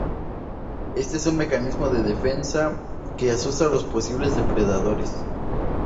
Este es un mecanismo de defensa que asusta a los posibles depredadores.